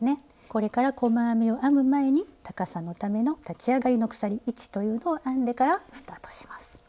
これから細編みを編む前に高さのための立ち上がりの鎖１というのを編んでからスタートします。